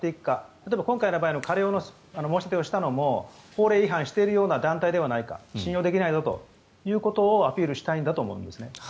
例えば今回の場合の過料の申し出をしたのも法令違反しているような団体ではないか信用できないぞということをアピールしたいんだと思います。